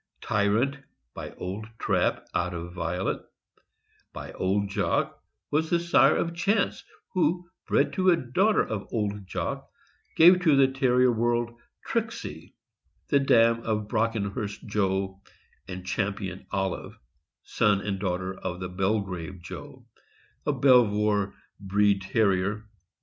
Tyrant, by Old Trap, out of Violet, by Old Jock, was the sire of Chance, who, bred to a daughter of Old Jock, gave to the Terrier world Tricksey, the dam of Brockenhurst Joe and Cham pion Olive, son and daughter of Belgrave Joe, a Belvoir bred Terrier.